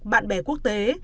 bạn bè quốc tế